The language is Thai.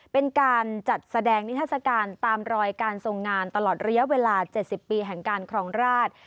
เป็นการจัดแสดงนิทัศกาลตามรอยการทรงงานตลอดระยะเวลา๗๐ปีแห่งการครองราช